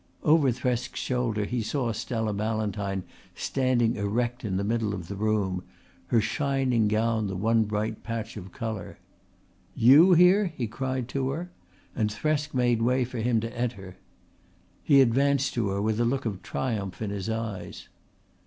Over Thresk's shoulder he saw Stella Ballantyne standing erect in the middle of the room, her shining gown the one bright patch of colour. "You here?" he cried to her, and Thresk made way for him to enter. He advanced to her with a look of triumph in his eyes.